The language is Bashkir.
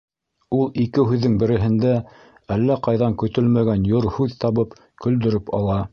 Ул ике һүҙҙең береһендә, әллә ҡайҙан көтөлмәгән йор һүҙ табып, көлдөрөп ала.